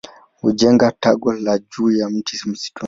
Hujenga tago lao juu ya mti msituni.